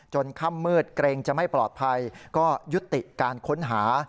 ค่ำมืดเกรงจะไม่ปลอดภัยก็ยุติการค้นหา